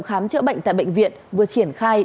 khám chữa bệnh tại bệnh viện vừa triển khai